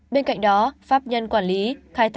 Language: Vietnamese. bên cạnh đó pháp nhân quản lý